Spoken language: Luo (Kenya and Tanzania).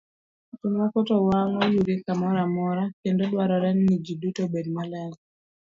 Jomoko to wang'o yugi kamoro amora, kendo dwarore ni ji duto obed maler.